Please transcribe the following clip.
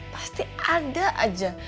pasti ada aja